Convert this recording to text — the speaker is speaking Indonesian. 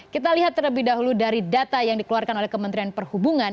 kita lihat terlebih dahulu dari data yang dikeluarkan oleh kementerian perhubungan